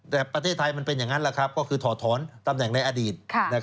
แต่ประเทศไทยมันเป็นอย่างนั้นแหละครับก็คือถอดถอนตำแหน่งในอดีต